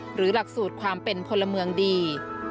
หลักสูตรความเป็นพลเมืองดี